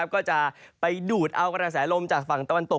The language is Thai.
ก็จะไปดูดเอากระแสลมจากฝั่งตะวันตก